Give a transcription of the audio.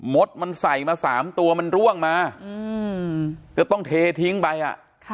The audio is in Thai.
ดมันใส่มา๓ตัวมันร่วงมาจะต้องเททิ้งไปอ่ะค่ะ